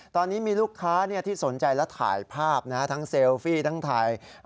ตอนนี้มีลูกค้าที่สนใจและถ่ายภาพทั้งเซลฟี่ทั้งไทย